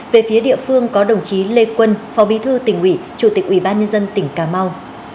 về phía địa phương có đồng chí lê quân phó bí thư tỉnh ủy chủ tịch ủy ban nhân dân tỉnh cà mau